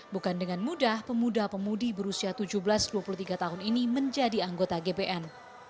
bukan dengan mudah pemuda pemudi berusia tujuh belas dua puluh tiga tahun ini menjadi anggota gbn